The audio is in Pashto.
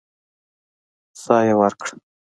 سا يې ورکړه.